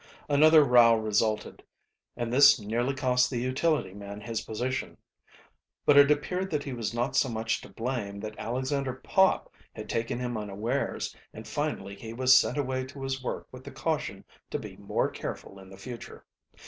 Another row resulted, and this nearly cost the utility Man his position. But it appeared that he was not so much to blame that Alexander Pop had taken him unawares and finally he was sent away to his work with the caution to be more careful in the future.